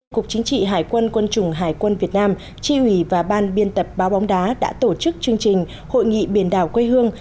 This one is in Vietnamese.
cục chính trị hải quân quân chủng hải quân việt nam tri ủy và ban biên tập báo bóng đá đã tổ chức chương trình hội nghị biển đảo quê hương